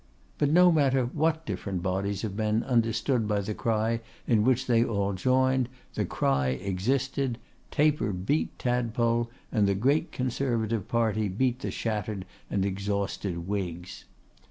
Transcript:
But no matter what different bodies of men understood by the cry in which they all joined, the Cry existed. Taper beat Tadpole; and the great Conservative party beat the shattered and exhausted Whigs.